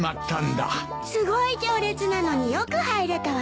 すごい行列なのによく入れたわね。